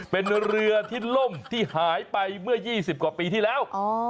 เป็นเรือที่ล่มที่หายไปเมื่อ๒๐กว่าปีที่แล้ว